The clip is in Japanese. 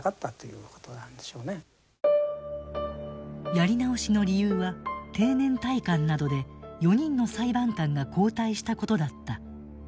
やり直しの理由は定年退官などで４人の裁判官が交代したことだった。